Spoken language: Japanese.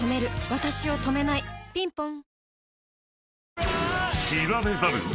わたしを止めないぴんぽん